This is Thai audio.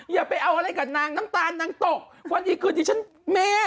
อย่าไปเอาอะไรกับนางน้ำตาลนางตกวันดีคืนดีฉันแม่